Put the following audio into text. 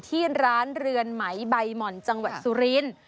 ที่ร้านเรือนไหมใบหม่อนจังหวัดสุรินทร์